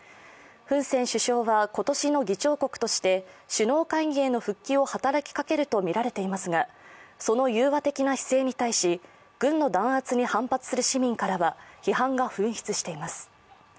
フン・セン首相は今年の議長国として首脳会議への復帰を働きかけるとみられていますがその融和的な姿勢に対し軍の弾圧に反発する市民からは批判が噴出しています。